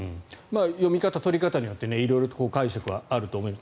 読み方、取り方によって色々解釈はあると思います。